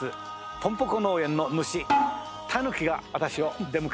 ポンポコ農園の主たぬきが私を出迎えております。